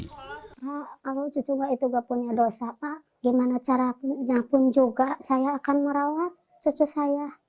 kalau cucu mbak itu gak punya dosa pak gimana caranya pun juga saya akan merawat cucu saya